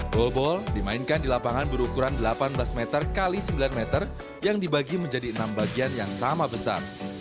ballball dimainkan di lapangan berukuran delapan belas meter x sembilan meter yang dibagi menjadi enam bagian yang sama besar